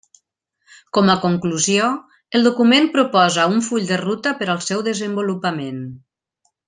Com a conclusió, el document proposa un full de ruta per al seu desenvolupament.